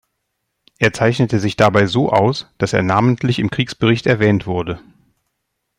Er zeichnete sich dabei so aus, dass er namentlich im Kriegsbericht erwähnt wurde.